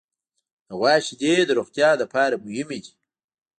د غوا شیدې د روغتیا لپاره مهمې دي.